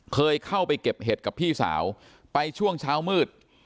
เคยเข้าไปเก็บเห็ดกับพี่สาวไปช่วงเช้ามืด